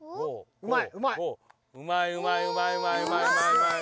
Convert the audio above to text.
うまい！